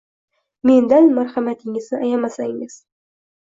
Mendan marhamatingizni ayamasangiz.